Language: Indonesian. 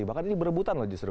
bahkan ini berebutan loh justru